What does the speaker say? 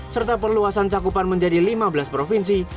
serta perluasan cakupan menjadi lima belas provinsi